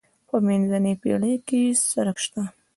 په منځنۍ پېړۍ کې یې څرک شته.